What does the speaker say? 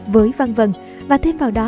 với văn vần và thêm vào đó